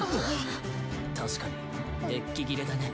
確かにデッキ切れだね。